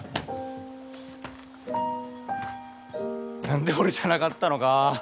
何で俺じゃなかったのか。